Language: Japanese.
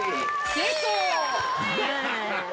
成功！